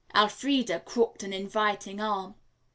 Elfreda crooked an inviting arm.